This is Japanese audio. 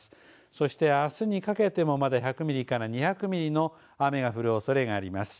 そしてあすにかけてもまだ１００ミリから２００ミリの雨が降るおそれがあります。